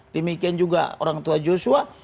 demikian juga orang tua joshua